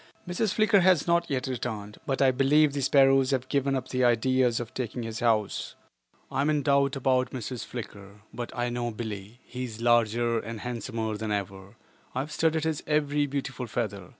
Mrs. Flicker has not yet returned, but I believe the sparrows have given up the idea of taking his house. I am in doubt about Mrs. Flicker, but I know Billie. He is larger and handsomer than ever. I have studied his every beautiful feather.